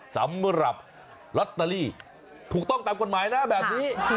สำหรับลอตเตอรี่ถูกต้องตามกฎหมายนะแบบนี้